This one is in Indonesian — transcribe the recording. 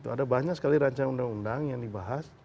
ada banyak sekali rancangan undang undang yang dibahas